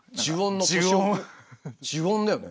「呪怨」だよね。